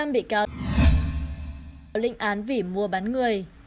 một mươi năm bị cao linh án vì mua bán người